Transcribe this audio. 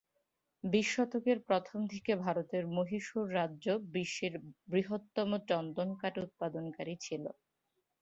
বিশ শতকের প্রথম দিকে ভারতের মহীশূর রাজ্য বিশ্বের বৃহত্তম চন্দন কাঠ উৎপাদনকারী ছিল।